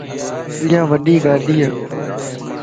ايا وڊي ڳاڙي ا